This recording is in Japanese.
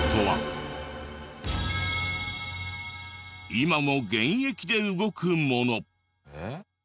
今も現役で動くもの。